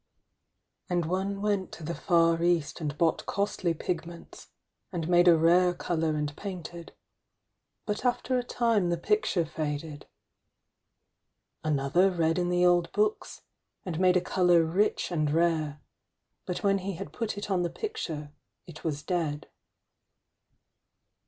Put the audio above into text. And one went to the far East and bought costly pigments, and made a rare colour and painted, but after a time the picture faded. Another read in the old books, and made a colour rich and rare, but when he had put it on the picture it was dead.